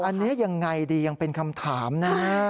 อันนี้ยังไงดียังเป็นคำถามนะฮะ